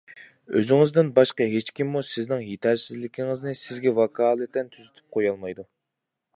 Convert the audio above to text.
ئۆزىڭىزدىن باشقا ھېچكىممۇ سىزنىڭ يېتەرسىزلىكىڭىزنى سىزگە ۋاكالىتەن تۈزىتىپ قويالمايدۇ.